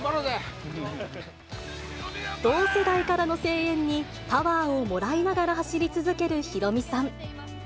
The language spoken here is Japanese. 同世代からの声援に、パワーをもらいながら走り続けるヒロミさん。